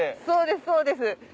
そうですそうです。